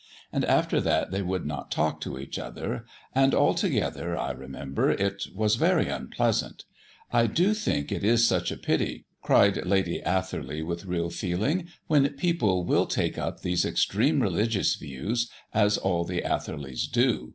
And after that they would not talk to each other, and, altogether, I remember, it was very unpleasant. I do think it is such a pity," cried Lady Atherley with real feeling, "when people will take up these extreme religious views, as all the Atherleys do.